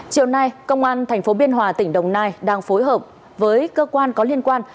chiều nay công an tp biên hòa tỉnh đồng nai đang phối hợp với cơ quan có liên quan